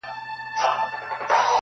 دا صفت مي په صفاتو کي د باز دی-